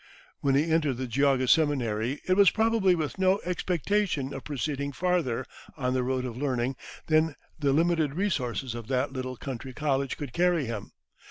When he entered the Geauga Seminary, it was probably with no expectation of proceeding farther on the road of learning than the limited resources of that little country college could carry him.